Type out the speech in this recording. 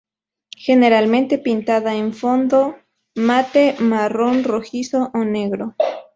Generalmente pintada en fondo mate, marrón rojizo o negro.